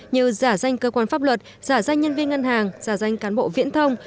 như giả danh cơ quan pháp luật giả danh nhân viên ngân hàng giả danh cán bộ viễn thông